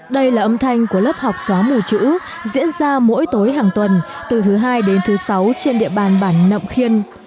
đây là âm thanh của lớp học xóa mù chữ diễn ra mỗi tối hàng tuần từ thứ hai đến thứ sáu trên địa bàn bản nậm khiên